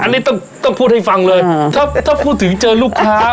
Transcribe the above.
อันนี้ต้องต้องพูดให้ฟังเลยถ้าพูดถึงเจอลูกค้า